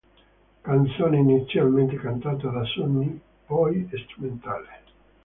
Canzone inizialmente cantata da Sunny, poi strumentale.